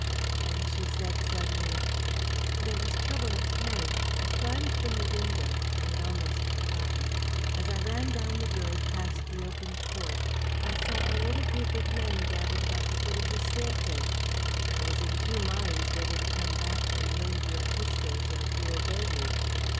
And she said suddenly, "There was trouble at Peri. I climbed from the window. I had almost forgotten. As I ran down the road past the open court, I saw a little group of men gathered about the foot of the staircase! I was in two minds whether to come back and load your pistols or to obey you.